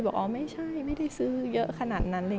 แต่บอกไม่ใช่มันมีเสื้อเยอะขนาดนั้น